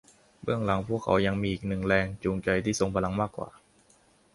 เบื้องหลังพวกเขายังมีอีกหนึ่งแรงจูงใจที่ทรงพลังมากกว่า